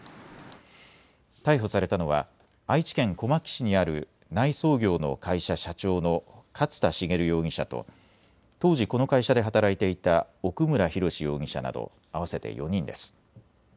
逮捕されたのは愛知県小牧市にある内装業の会社社長の勝田茂容疑者と当時、この会社で働いていた奥村博容疑者など合わせて４人です。